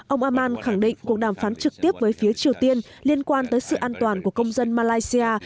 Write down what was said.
ông amman khẳng định cuộc đàm phán trực tiếp với phía triều tiên liên quan tới sự an toàn của công dân malaysia